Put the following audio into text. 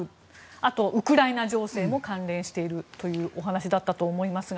あとウクライナ情勢も関連しているというお話だったと思いますが。